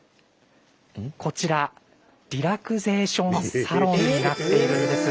こちらリラクゼーションサロンになっているんです。